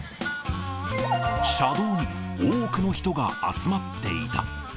車道に多くの人が集まっていた。